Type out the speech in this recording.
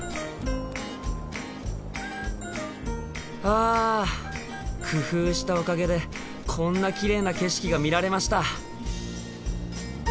あ工夫したおかげでこんなきれいな景色が見られました。